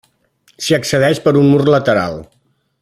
S'hi accedeix per un mur lateral.